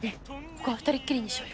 ここはふたりっきりにしようよ。